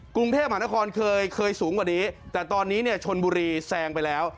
กรุงเทพมหานครเคยเคยสูงกว่านี้แต่ตอนนี้เนี่ยชนบุรีแซงไปแล้ว